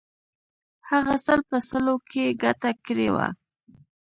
هغه سل په سلو کې ګټه کړې وه.